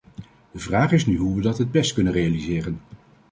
De vraag is nu hoe we dat het best kunnen realiseren.